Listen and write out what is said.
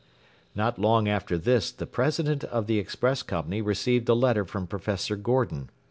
Not long after this the president of the express company received a letter from Professor Gordon.